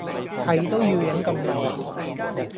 係都要影咁耐